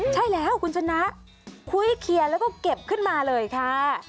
ใช่แล้วคุณชนะคุยเคลียร์แล้วก็เก็บขึ้นมาเลยค่ะ